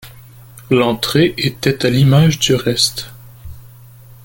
L’entrée était à l’image du reste.